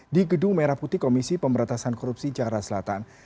di gedung merah putih komisi pemberantasan korupsi jakarta selatan